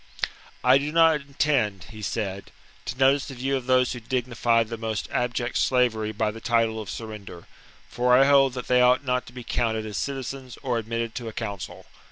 " I do not intend," he said. vii OF VERCINGETORIX 267 " to notice the view of those who dignify the most 52 b.c. abject slavery by the title of surrender ; for I hold that they ought not to be counted as citizens or admitted to a council.